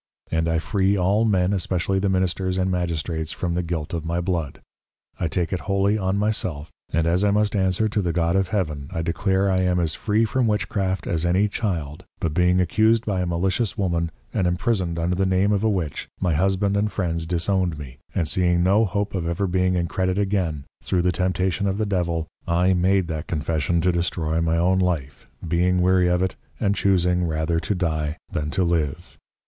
and I free all Men, especially the Ministers and Magistrates, from the guilt of my Blood, I take it wholly on my self, and as I must make answer to the God of Heaven, I declare I am as free from Witchcraft as any Child, but being accused by a Malicious Woman, and Imprisoned under the Name of a Witch, my Husband and Friends disowned me, and seeing no hope of ever being in Credit again, through the Temptation of the Devil, I made that Confession to destroy my own Life, being weary of it, and chusing rather to Die than to Live.